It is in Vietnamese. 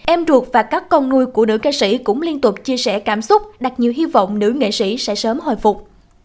em ruột và các con nuôi của nữ ca sĩ cũng liên tục chia sẻ cảm xúc đặt nhiều hy vọng nữ nghệ sĩ sẽ sớm hồi phục